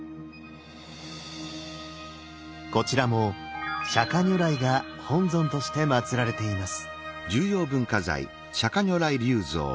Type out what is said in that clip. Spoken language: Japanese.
こちらも釈如来が本尊としてまつられています。